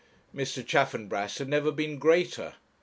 Mr. Chaffanbrass had never been greater.